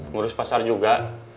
ngurus pasar juga